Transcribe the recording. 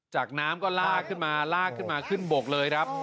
น้ำก็ลากขึ้นมาลากขึ้นมาขึ้นบกเลยครับ